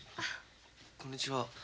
こんにちは。